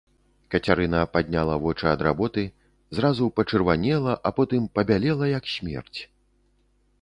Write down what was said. Кацярына падняла вочы ад работы, зразу пачырванела, а потым пабялела як смерць.